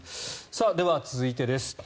では続いてです。